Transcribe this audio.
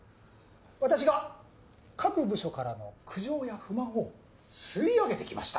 私が各部署からの苦情や不満を吸い上げて来ました。